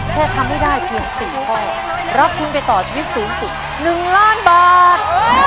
แค่ทำให้ได้เพียง๔ข้อรับทุนไปต่อชีวิตสูงสุด๑ล้านบาท